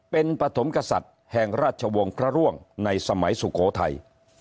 เป็นปฐมกษัตริย์แห่งราชวงศ์พระร่วงในสมัยสุโขทัย